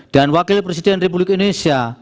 dan wakil presiden republik indonesia